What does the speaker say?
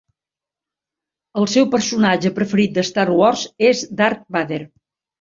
El seu personatge preferit de Star Wars és Darth Vader.